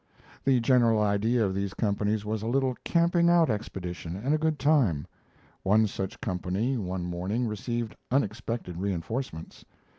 The general idea of these companies was a little camping out expedition and a good time. One such company one morning received unexpected reinforcements.